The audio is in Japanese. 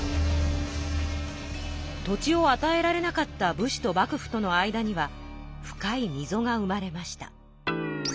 土地をあたえられなかった武士と幕府との間には深いみぞが生まれました。